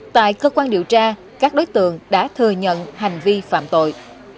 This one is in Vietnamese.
tại cơ quan điều tra các đối tượng đã thừa nhận hành vi phạm tội